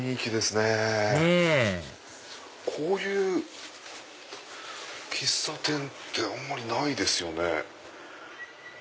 ねぇこういう喫茶店ってあんまりないですよね。